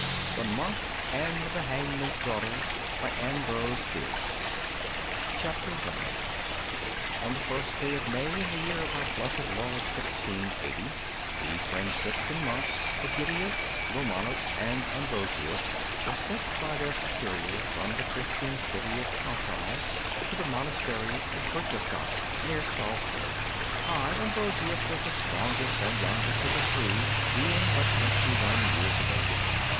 THE MONK AND THE HANGMAN'S DAUGHTER 1 On the first day of May in the year of our Blessed Lord 1680, the Franciscan monks Ægidius, Romanus and Ambrosius were sent by their Superior from the Christian city of Passau to the Monastery of Berchtesgaden, near Salzburg. I, Ambrosius, was the strongest and youngest of the three, being but twenty one years of age.